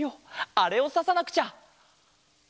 あれをささなくちゃ。